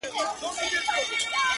o په خــــنــدا كيــسـه شـــــروع كړه.